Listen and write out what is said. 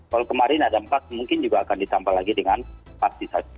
kalau kemarin ada empat mungkin juga akan ditambah lagi dengan saksi saksi